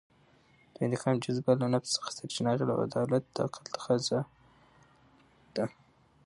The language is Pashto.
د انتقام جذبه له نفس څخه سرچینه اخلي او عدالت د عقل تفاضا ده.